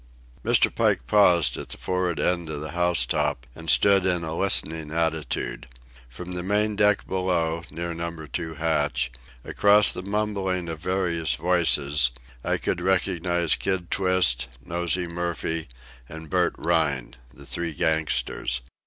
Mr. Pike paused at the for'ard end of the housetop and stood in a listening attitude. From the main deck below, near Number Two hatch, across the mumbling of various voices, I could recognize Kid Twist, Nosey Murphy, and Bert Rhine—the three gangsters.